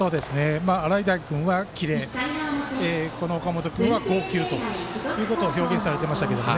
洗平君はキレ岡本君は剛球ということを表現されていましたけども。